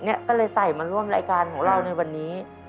เนี่ยก็เลยใส่มาร่วมรายการของเราในวันนี้